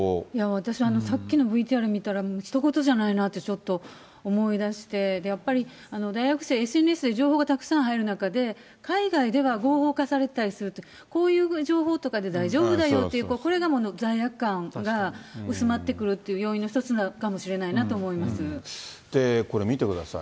私はさっきのＶＴＲ見たら、ひと事じゃないなと、ちょっと思い出して、やっぱり、大学生、ＳＮＳで情報がたくさん入る中で、海外では合法化されていたりすると、こういう情報とかで大丈夫だよというか、これがもう罪悪感が薄まってくるという要因の一つかもしれないなこれ、見てください。